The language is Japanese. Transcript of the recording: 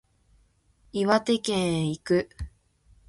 岩手県へ行く